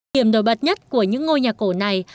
tiểm đối bật nhất của những ngôi nhà cổ này